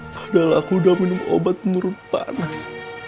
padahal aku udah minum obat murung panas